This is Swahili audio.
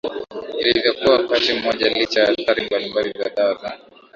ilivyokuwa wakati mmoja Licha ya athari mbalimbali za dawa za